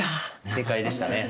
正解でしたね。